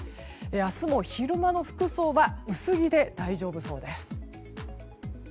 明日も昼間の服装は薄着で大丈夫そうです。